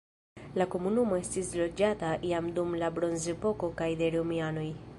La komunumo estis loĝata jam dum la bronzepoko kaj de romianoj.